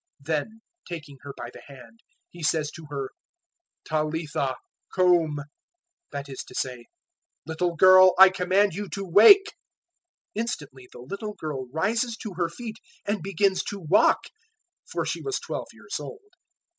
005:041 Then, taking her by the hand, He says to her, "Talitha, koum;" that is to say, "Little girl, I command you to wake!" 005:042 Instantly the little girl rises to her feet and begins to walk (for she was twelve years old).